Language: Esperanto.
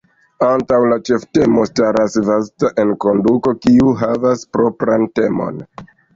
Antaŭ la ĉeftemo staras vasta enkonduko, kiu havas propran temon.